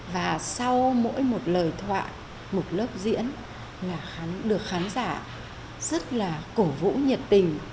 và sau mỗi một lời thoại một lớp diễn là được khán giả rất là cổ vũ nhiệt tình